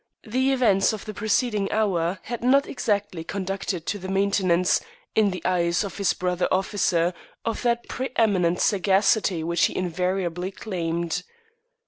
The events of the preceding hour had not exactly conduced to the maintenance, in the eyes of his brother officer, of that pre eminent sagacity which he invariably claimed.